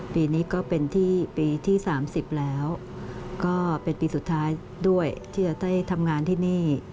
ปีนี้ก็เป็นที่ปีที่๓๐แล้วก็เป็นปีสุดท้ายด้วยที่จะได้ทำงานที่นี่